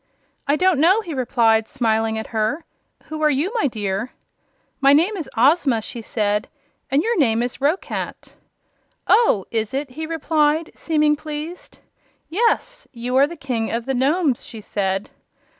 "I don't know," he replied, smiling at her. "Who are you, my dear?" "My name is Ozma," she said; "and your name is Roquat." "Oh, is it?" he replied, seeming pleased. "Yes; you are King of the Nomes," she said.